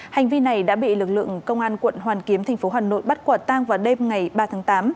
hành vi này đã bị lực lượng công an quận hoàn kiếm thành phố hà nội bắt quả tang vào đêm ngày ba tháng tám